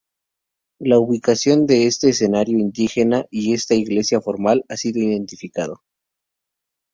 La ubicación de este asentamiento indígena y esta iglesia formal ha sido identificado.